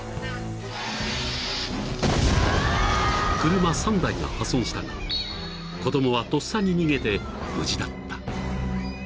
［車３台が破損したが子供はとっさに逃げて無事だった］